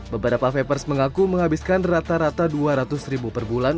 beberapa vapers mengaku menghabiskan rata rata dua ratus ribu per bulan